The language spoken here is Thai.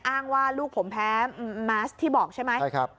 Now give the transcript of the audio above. อ้างว่าลูกผมแพ้มาสที่บอกใช่ไหมใช่ครับ